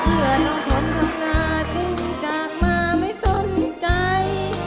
เผื่อต้องขอบข้างหน้าจนจากมาไม่สนใจ